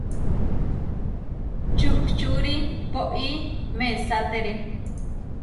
Čuhčuri poʼí mesátere.